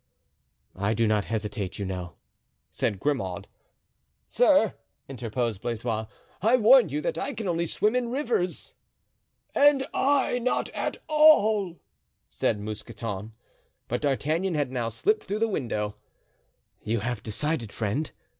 "I do not hesitate, you know," said Grimaud. "Sir," interposed Blaisois, "I warn you that I can only swim in rivers." "And I not at all," said Mousqueton. But D'Artagnan had now slipped through the window. "You have decided, friend?"